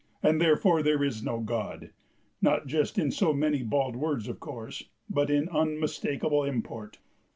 and therefore there is no God; not just in so many bald words, of course, but in unmistakable import.